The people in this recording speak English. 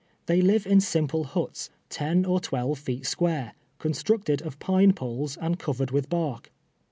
They live in simple liuts, ton or twelve feet s<piai'e, constructed of pine poles and covered with bark.